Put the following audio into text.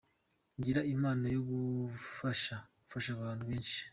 Ngira impano yo gufasha, mfasha abantu benshi.